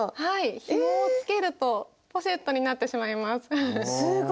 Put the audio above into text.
ひもをつけるとポシェットになってしまいます。